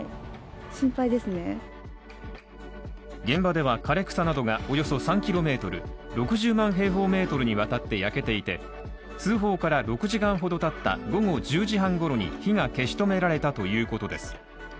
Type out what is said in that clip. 現場では枯れ草などがおよそ３ｋｍ、６０万平方メートルにわたって焼けていて通報から６時間ほどたった午後１０時半ごろに火が消し止められたということです。